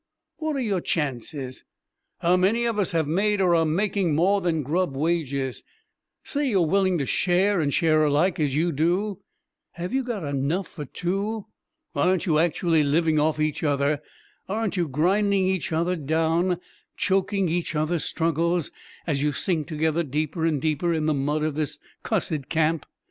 What are your chances? How many of us have made, or are making, more than grub wages? Say you're willing to share and share alike as you do have you got enough for two? Aren't you actually living off each other? Aren't you grinding each other down, choking each other's struggles, as you sink together deeper and deeper in the mud of this cussed camp?